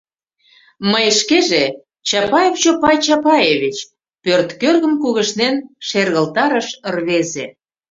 Мый шкеже Чапаев Чопай Чапаевич! — пӧрткӧргым кугешнен шергылтарыш рвезе.